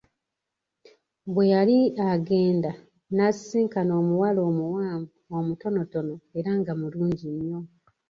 Bwe yali agenda n'asisinkana omuwala omuwanvu, omutonotono era nga mulungi nnyo.